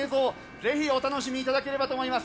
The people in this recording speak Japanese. ぜひお楽しみいただければと思います。